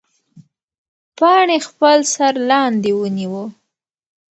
پاڼې خپل سر لاندې ونیوه.